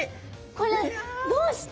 これどうして？